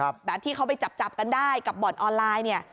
แบบที่เขาไปจับกันได้กับบ่อนออนไลน์